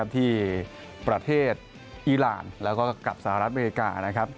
ที่ประเทศอีรานแล้วก็กับสหรัฐอเมริกานะครับ